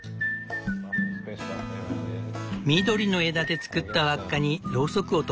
緑の枝で作った輪っかにロウソクを留めてゆく。